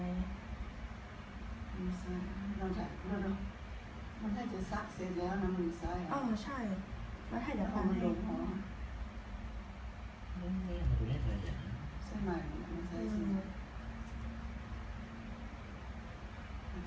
อันนี้ก็ไม่มีเจ้าพ่อหรอก